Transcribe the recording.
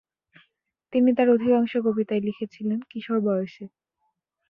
তিনি তার অধিকাংশ কবিতাই লিখেছিলেন কিশোর বয়সে।